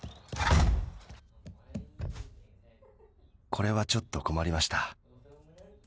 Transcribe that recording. これはちょっと困りました。